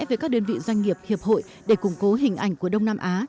với các đơn vị doanh nghiệp hiệp hội để củng cố hình ảnh của đông nam á